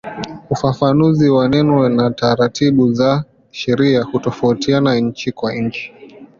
Ufafanuzi wa neno na taratibu za sheria hutofautiana nchi kwa nchi.